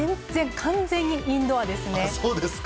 完全にインドアですね。